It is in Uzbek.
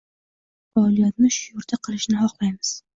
lekin bu faoliyatni shu yerda qilishni xohlaymiz.